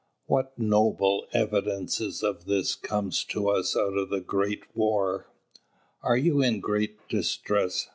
What noble evidences of this come to us out of the great war. "Are you in great distress?"